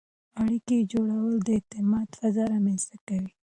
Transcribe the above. اړیکې جوړول د اعتماد فضا رامنځته کوي.